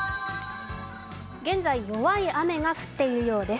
現在、弱い雨が降っているようです。